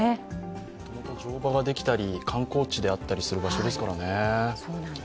もともと乗馬ができたり、観光地だったりする場所ですからね。